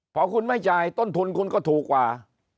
พอคุณไม่จ่ายต้นทุนคุณก็ถูกกว่า